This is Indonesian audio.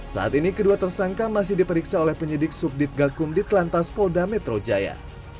saat ini kedua tersangka masih diperiksa oleh penyidik subdit gakum ditlantas polda metro jaya